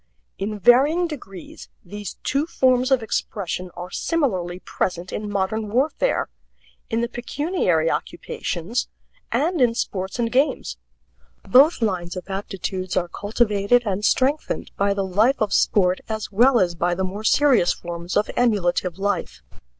In varying degrees these two forms of expression are similarly present in modern warfare, in the pecuniary occupations, and in sports and games. Both lines of aptitudes are cultivated and strengthened by the life of sport as well as by the more serious forms of emulative life.